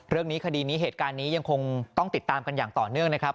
คดีนี้เหตุการณ์นี้ยังคงต้องติดตามกันอย่างต่อเนื่องนะครับ